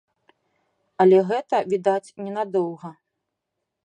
Але гэта, відаць, ненадоўга.